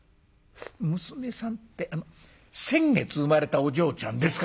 「娘さんって先月生まれたお嬢ちゃんですか？」。